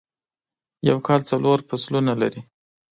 یو کال څلور فصلونه لری